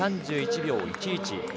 ３１秒１１。